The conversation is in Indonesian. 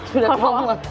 sudah kelam banget